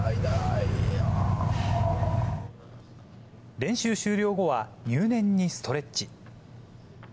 練習終了後は、入念にストレッチ。